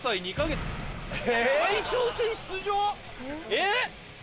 えっ！